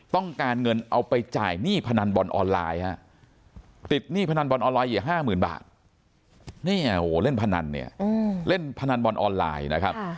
ต้องการเงินเอาไปจ่ายหนี้พนันบอลออนไลน์ฮะติดหนี้พนันบอลออนไลอย่า๕๐๐๐บาทเนี่ยเล่นพนันเนี่ยเล่นพนันบอลออนไลน์นะครับ